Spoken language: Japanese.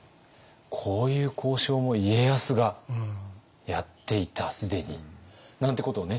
こういう交渉も家康がやっていた既に。なんてことをね